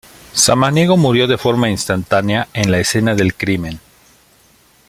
Samaniego murió de forma instantánea en la escena del crimen.